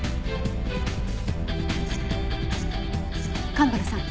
蒲原さん